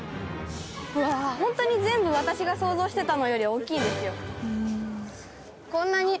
ホントに全部私が想像してたのより大きいんですよ。